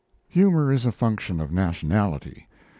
Humour is a function of nationality.